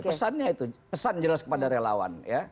pesannya itu pesan jelas kepada relawan